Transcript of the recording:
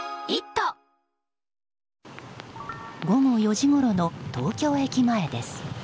午後４時ごろの東京駅前です。